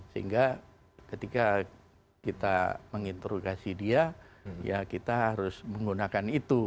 sehingga ketika kita menginterogasi dia ya kita harus menggunakan itu